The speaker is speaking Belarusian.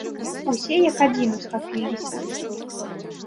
Усе як адзін усхапіліся.